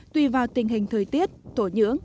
tùy vào tình hình thời tiết tổ nhưỡng